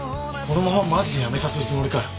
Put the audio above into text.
このままマジで辞めさせるつもりかよ。